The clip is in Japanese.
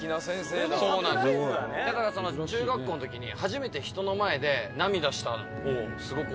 「だから中学校の時に初めて人の前で涙したのをすごく覚えてます」